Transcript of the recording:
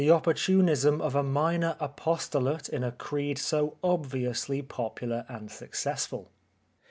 opportunism of a minor apostolate in a creed so obviously popular and successful.